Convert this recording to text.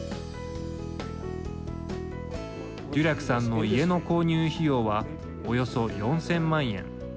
デュリャクさんの家の購入費用はおよそ４０００万円。